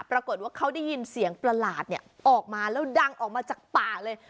ปรากฏว่าเขาได้ยินเสียงประหลาดออกมาแล้วดังออกมาจากป่าเลย